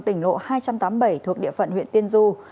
tỉnh lộ hai trăm tám mươi bảy thuộc địa phận huyện tiên du